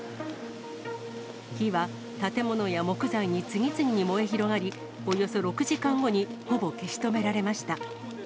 火は建物や木材に次々に燃え広がり、およそ６時間後にほぼ消し止められました。